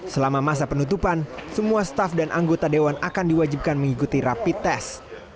selama masa penutupan semua staff dan anggota dewan akan diwajibkan mengikuti rapi tes